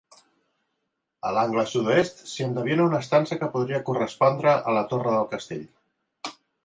A l'angle sud-oest s'hi endevina una estança que podria correspondre a la torre del castell.